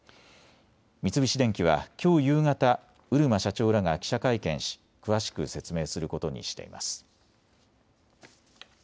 三菱電機はきょう夕方、漆間社長らが記者会見し詳しく説明することにしています。